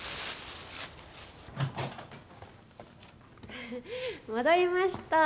フフ戻りました。